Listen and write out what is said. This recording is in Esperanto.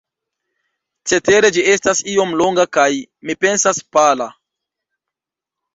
Cetere ĝi estas iom longa kaj, mi pensas, pala.